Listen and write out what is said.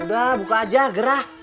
udah buka aja gerah